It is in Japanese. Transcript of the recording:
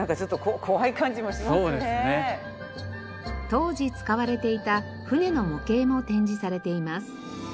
当時使われていた船の模型も展示されています。